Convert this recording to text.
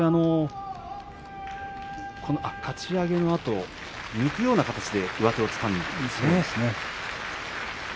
かち上げのあと抜くような形で上手をつかんだんですね。